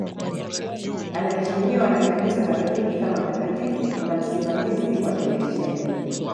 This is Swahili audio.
Anaheshimiwa na Kanisa Katoliki kama mtakatifu na msimamizi wa televisheni.